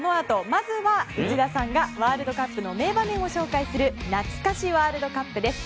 まずは、内田さんがワールドカップの名場面を紹介するなつか史ワールドカップです。